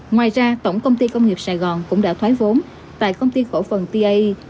ngoài ra tổng công ty công nghiệp sài gòn cũng đã thoái vốn tại công ty cổ phần ta